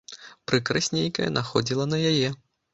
Прыкрасць нейкая находзіла на яе.